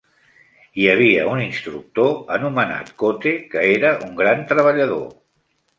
Hi havia un instructor anomenat Kote que era un gran treballador.